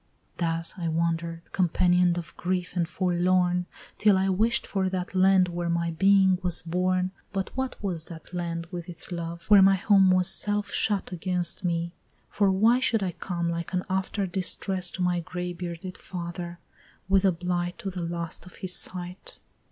Thus I wander'd, companion'd of grief and forlorn Till I wish'd for that land where my being was born But what was that land with its love, where my home Was self shut against me; for why should I come Like an after distress to my gray bearded father, With a blight to the last of his sight?